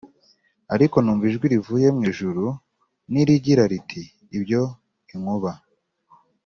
Ariko numva ijwi rivuye mu ijuru n rigira riti ibyo inkuba